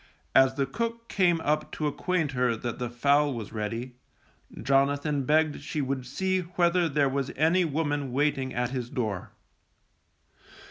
As the cook came up to acquaint her that the fowl was ready, Jonathan begged she would see whether there was any woman waiting at his door.